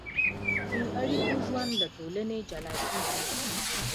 بېاړیکو ژوند له ټولنې جلا کېږي.